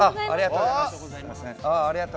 ありがとうございます。